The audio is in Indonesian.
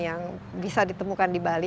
yang bisa ditemukan di bali